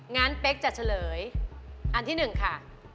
งั้นเป๊กจะเฉลยอันที่๑ค่ะ